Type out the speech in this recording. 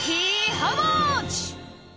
ハウマッチ。